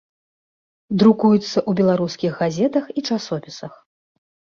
Друкуецца ў беларускіх газетах і часопісах.